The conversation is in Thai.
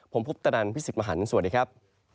ผมพุทธดันพี่ศิษย์มหานสวัสดีครับ